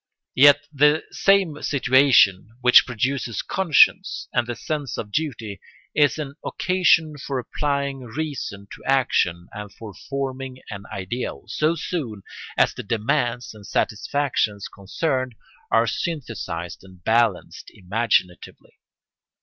Yet the same situation which produces conscience and the sense of duty is an occasion for applying reason to action and for forming an ideal, so soon as the demands and satisfactions concerned are synthesised and balanced imaginatively.